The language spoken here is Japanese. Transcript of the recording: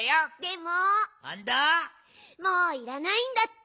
もういらないんだって。